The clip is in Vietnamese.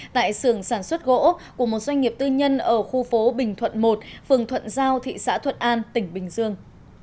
tại xưởng sản xuất gỗ của một doanh nghiệp tư nhân ở khu phố bình thuận một phường thuận giao thị xã thuận an tỉnh bình dương